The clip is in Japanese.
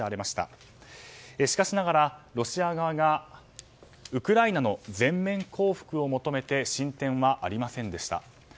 しかしながらロシア側がウクライナの全面降伏を求めて進展はありませんでした。